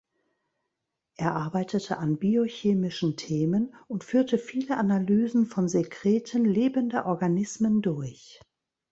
Er arbeitete an biochemischen Themen und führte viele Analysen von Sekreten lebender Organismen durch.